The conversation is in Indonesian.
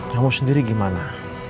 kamu sendiri gimana